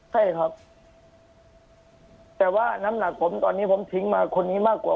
ใช่ครับแต่ว่าน้ำหนักผมตอนนี้ผมทิ้งมาคนนี้มากกว่า